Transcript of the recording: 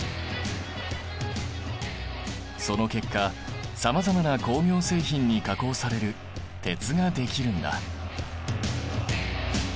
その結果さまざまな工業製品に加工される鉄ができるんだ。